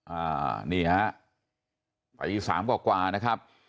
อ่าานี่เห้ะใครอีก๓กว่านะครับ